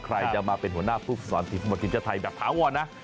ใครจะมาเป็นหัวหน้าภูมิสอนทีมฟุตบอลทีมชาติไทยแบบถาวรนะ